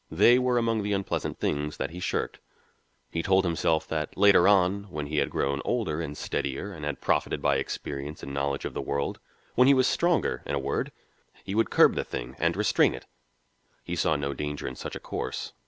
They were among the unpleasant things that he shirked. He told himself that later on, when he had grown older and steadier and had profited by experience and knowledge of the world, when he was stronger, in a word, he would curb the thing and restrain it. He saw no danger in such a course.